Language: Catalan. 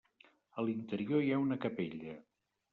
A l'interior hi ha una capella.